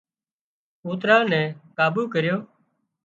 ڪوترا نين ڪابو ڪريو